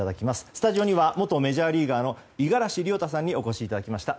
スタジオには元メジャーリーガー五十嵐亮太さんにお越しいただきました。